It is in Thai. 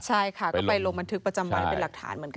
ใช่ค่ะก็ไปลงบันทึกประจำวันเป็นหลักฐานเหมือนกัน